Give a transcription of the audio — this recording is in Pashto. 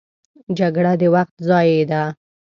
جګړه د وخت ضیاع ده